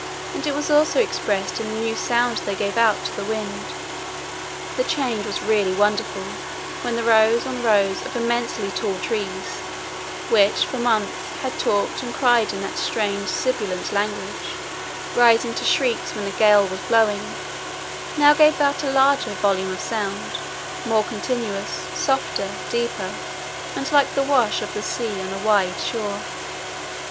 And it was also expressed in the new sound they gave out to the wind. The change was really wonderful when the rows on rows of immensely tall trees which for months had talked and cried in that strange sibilant language, rising to shrieks when a gale was blowing, now gave out a larger volume of sound, more continuous, softer, deeper, and like the wash of the sea on a wide shore.